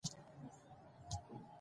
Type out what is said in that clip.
د پرېکړو کیفیت د پایلو ټاکونکی دی